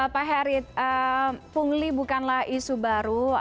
pak herit pungli bukanlah isu baru